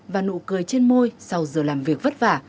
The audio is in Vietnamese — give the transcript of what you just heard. và nụ cười trên môi sau giờ làm việc vất vả